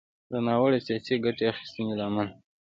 د ناوړه “سياسي ګټې اخيستنې” له امله